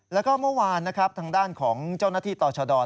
แล้วก็เมื่อวานนะครับทางด้านของเจ้าหน้าที่ต่อชะดอน